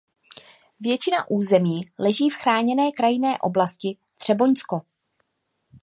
Většina území leží v Chráněné krajinné oblastí Třeboňsko.